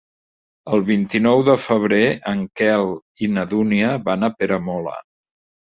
El vint-i-nou de febrer en Quel i na Dúnia van a Peramola.